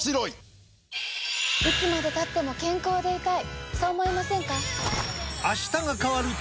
いつまでたっても健康でいたいそう思いませんか？